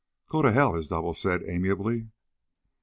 "Go to hell," his double said amiably.